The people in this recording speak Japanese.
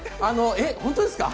えっ、本当ですか？